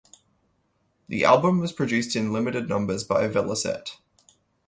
The album was produced in limited numbers by Velocette.